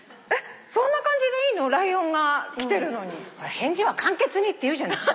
返事は簡潔にっていうじゃない。